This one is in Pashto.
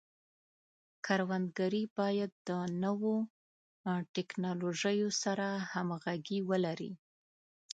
کروندګري باید د نوو ټکنالوژیو سره همغږي ولري.